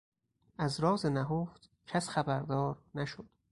از راز نهفت کس خبردار نشد